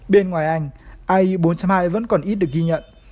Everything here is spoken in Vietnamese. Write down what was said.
bên ngoài anh i bốn hai vẫn còn ít được ghi nhận